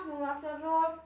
mau makan rot